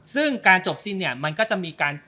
ซึ่งการจบสิ้นเนี่ยมันก็จะมีการ